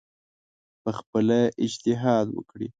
پخپله اجتهاد وکړي